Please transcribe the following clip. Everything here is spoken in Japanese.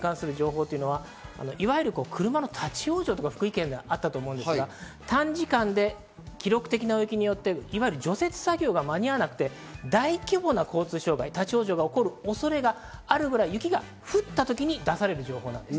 顕著な大雪に関する情報というのは、いわゆる車の立ち往生とか、福井県であったと思うんですが、短時間で記録的な大雪によって除雪作業が間に合わなくて大規模な交通障害が起こる恐れがあるという雪が降ったときに関する情報です。